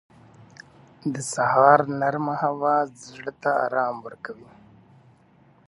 • د سهار نرمه هوا ذهن ته آرام ورکوي.